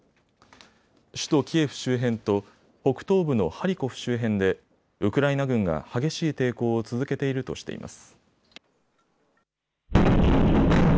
首都キエフ周辺と北東部のハリコフ周辺でウクライナ軍が激しい抵抗を続けているとしています。